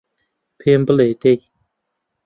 پێم بڵێ دەی